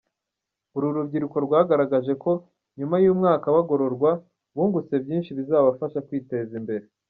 Uru rubyiruko rwagaragaje ko nyuma y’umwaka bagororwa, bungutse byinshi bizabafasha kwiteza imbere.